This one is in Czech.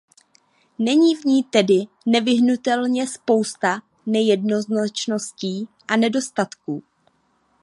Je v ní tedy nevyhnutelně spousta nejednoznačností a nedostatků.